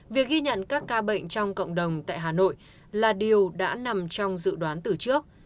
việc ghi nhận các ca bệnh trong cộng đồng tại hà nội là điều đã nằm trong dự đoán từ trước